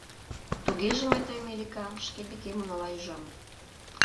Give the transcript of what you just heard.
— Тугеже мый тыйым, Элика, шке декем унала ӱжам.